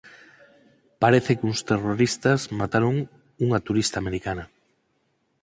Parece que uns terroristas mataron unha turista americana.